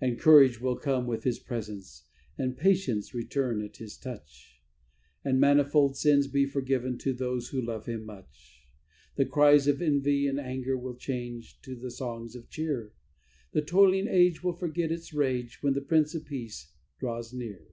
And courage will come with His presence, and patience return at His touch, And manifold sins be forgiven to those who love Him much; The cries of envy and anger will change to the songs of cheer, The toiling age will forget its rage when the Prince of Peace draws near.